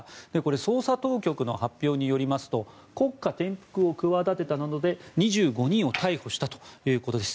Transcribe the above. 捜査当局の発表によりますと国家転覆を企てたなどで２５人を逮捕したということです。